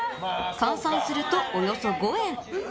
換算すると、およそ５円。